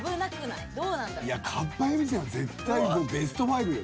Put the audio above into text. いやかっぱえびせんは絶対ベスト５よ。